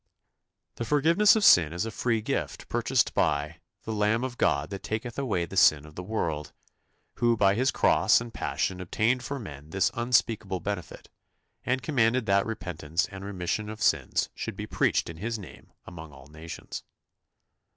The forgiveness of sin is a free gift purchased by "the Lamb of God that taketh away the sin of the world," who by His Cross and Passion obtained for men this unspeakable benefit, and commanded that repentance and remission of sins should be preached in His name among all nations.